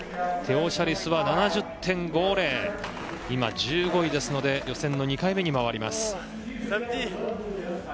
今１５位ですので予選２回目に回ります。